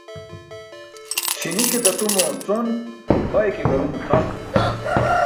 Śi̇ni̇ ke datumo con, bay ke garumo tʰam.